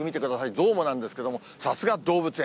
ゾウもなんですけれども、さすが動物園。